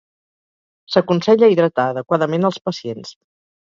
S'aconsella hidratar adequadament als pacients.